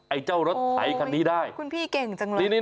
ไอ้เจ้ารถไถคันนี้ได้คุณพี่เก่งจังเลย